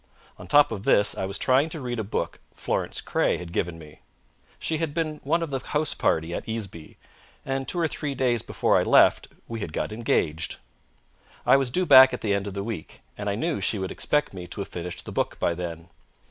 On top of this I was trying to read a book Florence Craye had given me. She had been one of the house party at Easeby, and two or three days before I left we had got engaged. I was due back at the end of the week, and I knew she would expect me to have finished the book by then.